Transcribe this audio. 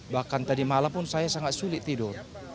bahkan tadi malam pun saya sangat sulit tidur